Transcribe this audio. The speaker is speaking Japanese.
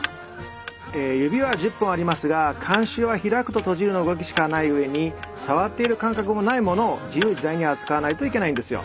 指は１０本ありますが鉗子は開くと閉じるの動きしかない上に触っている感覚もないものを自由自在に扱わないといけないんですよ。